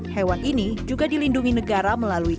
hewan ini juga dilindungi negara melalui